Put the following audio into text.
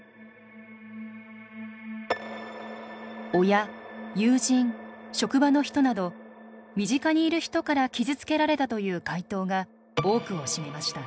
親友人職場の人など身近にいる人から傷つけられたという回答が多くを占めました。